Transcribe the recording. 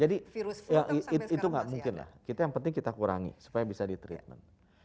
jadi itu tidak mungkin yang penting kita kurangi supaya bisa di treatment